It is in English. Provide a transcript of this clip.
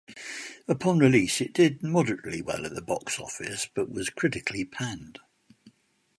Upon release it did moderately well at the box office but was critically panned.